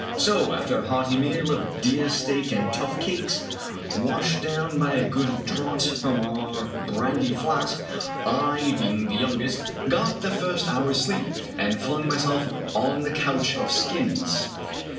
So 52 FUzjames O'Brien after a hearty meal of deer steak and tough cakes, washed down by a good draught from our brandy flask, I, being the youngest, got the first hour's sleep, and flung myself on the couch of skins.